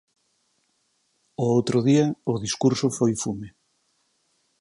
O outro día o discurso foi fume.